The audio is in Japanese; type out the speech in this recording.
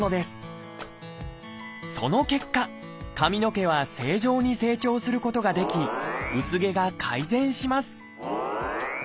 その結果髪の毛は正常に成長することができ薄毛が改善します。